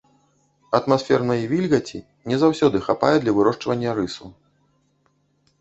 Атмасфернай вільгаці не заўсёды хапае для вырошчвання рысу.